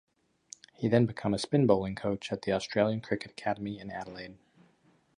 He then become a spin-bowling coach at the Australian Cricket Academy in Adelaide.